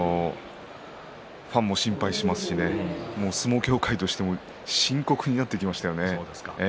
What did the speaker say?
ファンも心配してますし相撲協会としても深刻になってきましたよね。